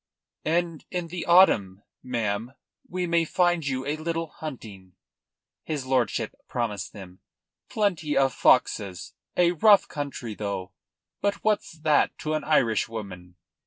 "And in the autumn, ma'am, we may find you a little hunting," his lordship promised them. "Plenty of foxes; a rough country, though; but what's that to an Irishwoman?"